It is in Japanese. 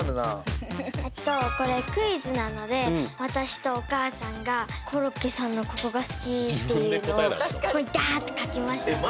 えっとこれクイズなので私とお母さんがコロッケさんのここが好きっていうのをここにダッて書きましたえっ